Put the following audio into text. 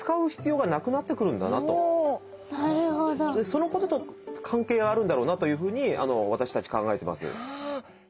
そのことと関係があるんだろうなというふうに私たち考えてます。